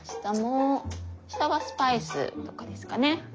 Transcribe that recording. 下はスパイスとかですかね。